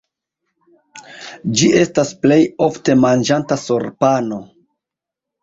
Ĝi estas plej ofte manĝata sur pano.